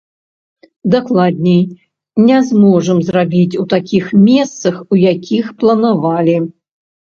Дакладней, не зможам зрабіць у такіх месцах, у якіх планавалі.